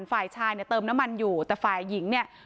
ฝ่ายชายเนี่ยเติมน้ำมันอยู่แต่ฝ่ายหญิงเนี่ย